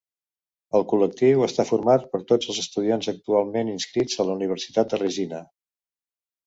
El col·lectiu està format per tots els estudiants actualment inscrits a la Universitat de Regina.